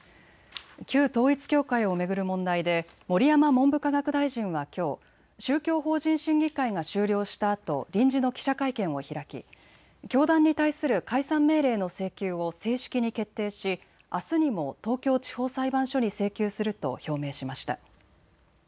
旧統一教会を巡る問題で盛山文部科学大臣はきょう宗教法人審議会が終了したあと臨時の記者会見を開き教団に対する解散命令の請求を正式に決定し、あすにも東京地方裁判所に請求すると表明しました。